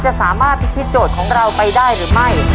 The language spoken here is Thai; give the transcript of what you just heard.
จะสามารถพิธีโจทย์ของเราไปได้หรือไม่